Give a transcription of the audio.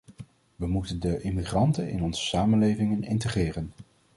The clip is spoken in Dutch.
We moeten de immigranten in onze samenlevingen integreren.